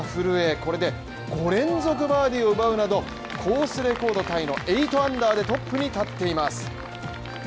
これで５連続バーディを奪うなど、コースレコードタイの８アンダーでトップに立っています。